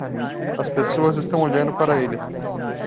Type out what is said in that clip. As pessoas estão olhando para ele.